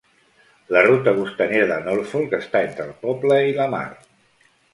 La ruta costanera de Norfolk està entre el poble i la mar.